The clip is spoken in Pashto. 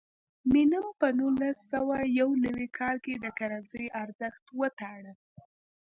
مینم په نولس سوه یو نوي کال کې د کرنسۍ ارزښت وتاړه.